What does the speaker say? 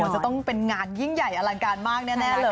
จะต้องเป็นงานยิ่งใหญ่อลังการมากแน่เลย